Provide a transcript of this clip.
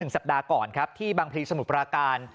ถึงสัปดาห์ก่อนครับที่บางภิริสมุทรประการ